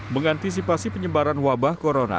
mengantisipasi penyebaran wabah corona